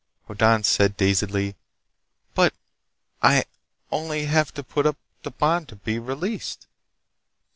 Hoddan said dazedly: "But I only have to put up a bond to be released!"